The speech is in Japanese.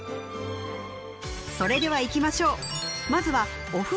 それではいきましょう